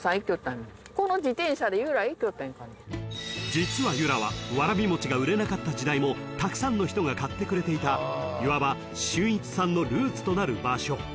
［実は由良はわらび餅が売れなかった時代もたくさんの人が買ってくれていたいわば俊一さんのルーツとなる場所］